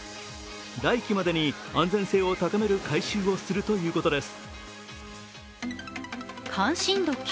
来季までに安全性を高める改修をするということです。